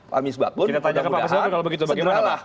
pak mis sebab pun segeralah